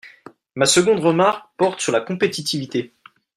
Ma seconde remarque porte sur la compétitivité.